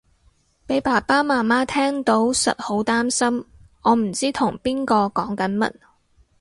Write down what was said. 俾爸爸媽媽聽到實好擔心我唔知同邊個講緊乜